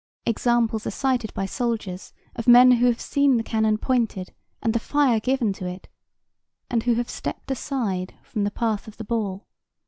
Examples are cited by soldiers of men who have seen the cannon pointed and the fire given to it, and who have stepped aside from the path of the ball.